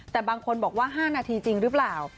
แต่บางคนบอกว่า๕นาทีจริงหรือเปล่า